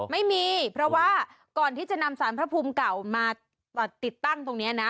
ไม่มีเพราะว่าก่อนที่จะนำสารพระภูมิเก่ามาติดตั้งตรงนี้นะ